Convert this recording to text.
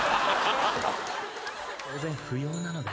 「当然不要なので」